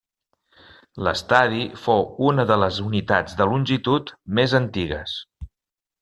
L’estadi fou una de les unitats de longitud més antigues.